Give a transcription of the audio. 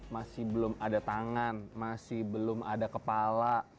masih belum ada tangan masih belum ada kepala